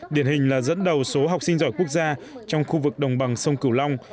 điển hình là dẫn đầu số học sinh giỏi quốc gia trong khu vực đồng bằng sông cửu long